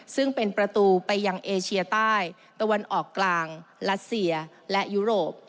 ซึ่งเป็นประตูไปยังเอเชียใต้ตะวันออกกลางรัสเซียและยุโรป